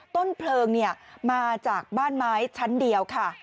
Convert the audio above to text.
ต้นเพลิงมาจากบ้านไม้ชั้นเดียวค่ะ